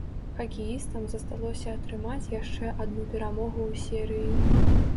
Хакеістам засталося атрымаць яшчэ адну перамогу ў серыі.